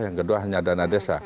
yang kedua hanya dana desa